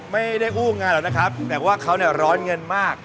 ไม่ได้กู้งานหรอกนะครับแต่ว่าเขาเนี่ยร้อนเงินมาก